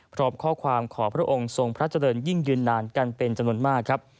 พร้อมข้อความขอพระองค์ทรงพระเจริญยิ่งยืนนานกันเป็นจำนวนมากครับ